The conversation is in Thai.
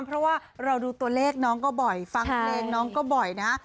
เพราะว่าเราดูตัวเลขน้องก็บ่อยฟังเพลงน้องก็บ่อยนะ